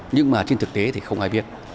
nhưng mà trên thực tế thì không ai biết